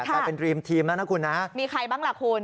กลายเป็นรีมทีมแล้วนะคุณนะมีใครบ้างล่ะคุณ